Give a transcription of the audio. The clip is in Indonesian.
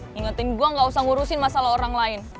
ngingetin gue gak usah ngurusin masalah orang lain